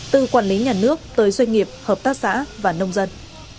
từ quản lý nhà nước tới doanh nghiệp hợp tác xã và nông dân